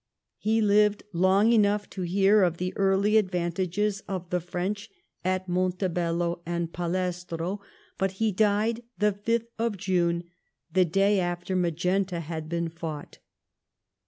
He lived long enough to hear of the early advantages of the French at Monte bello and Palestro, but he died the 5th of June — the day after Magenta had been fought.